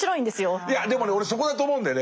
いやでもね俺そこだと思うんだよね。